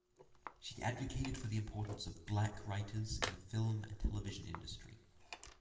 She advocated for the importance of black writers in the film and television industry.